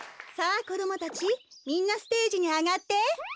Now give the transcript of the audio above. さあこどもたちみんなステージにあがって。